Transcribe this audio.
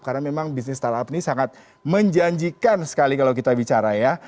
karena memang bisnis startup ini sangat menjanjikan sekali kalau kita bicara ya